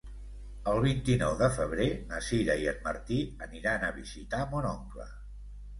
El vint-i-nou de febrer na Sira i en Martí aniran a visitar mon oncle.